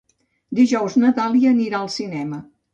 Dijous na Dàlia anirà al cinema.